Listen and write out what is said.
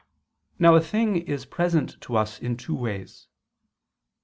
Now a thing is present to us in two ways.